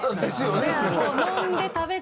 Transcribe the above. もう飲んで食べて。